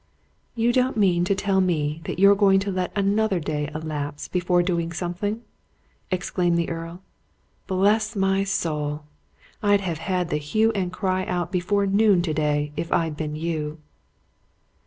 "You don't mean to tell me that you're going to let another day elapse before doing something?" exclaimed the Earl. "Bless my soul! I'd have had the hue and cry out before noon today, if I'd been you!"